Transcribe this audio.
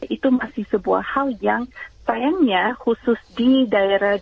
itu masih sebuah hal yang sayangnya khusus di daerah daerah dan juga di nana kidung